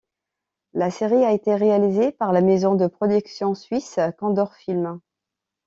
La série a été réalisée par la maison de production suisse Condor films.